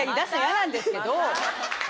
なんですけど。